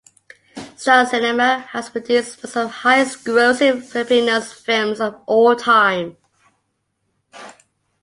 Star Cinema has produced most of the highest grossing Filipino films of all time.